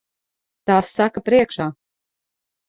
Tas saka priekšā.